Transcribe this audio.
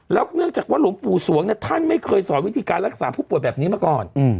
เนื่องจากว่าหลวงปู่สวงเนี่ยท่านไม่เคยสอนวิธีการรักษาผู้ป่วยแบบนี้มาก่อน